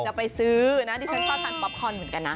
จะไปซื้อนะดิฉันชอบทานป๊อปคอนเหมือนกันนะ